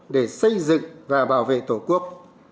để xây dựng và bảo vệ tổ quốc